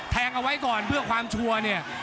แทงเอาไว้ก่อนเพื่อความชัวร์เนี่ย